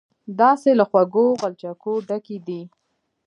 داسې له خوږو غلچکو ډکې دي.